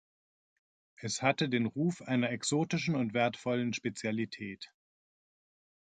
Es hatte den Ruf einer exotischen und wertvollen Spezialität.